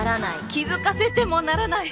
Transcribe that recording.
気づかせてもならない！